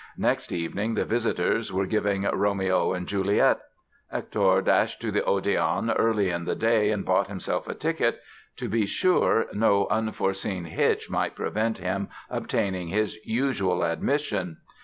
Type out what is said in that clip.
Next evening the visitors were giving "Romeo and Juliet". Hector dashed to the Odéon early in the day and bought himself a ticket, to be sure no unforeseen hitch might prevent him obtaining his usual admission.